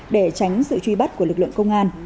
để tránh sự truy bắt của lực lượng công an